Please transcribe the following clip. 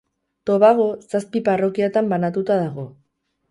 Tobago zazpi parrokiatan banatuta dago.